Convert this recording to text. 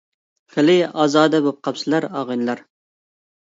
خېلى ئازادە بوپقاپسىلەر، ئاغىلار.